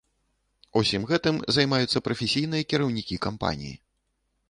Усім гэтым займаюцца прафесійныя кіраўнікі кампаніі.